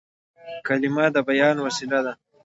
کلیمه د بیان وسیله ده.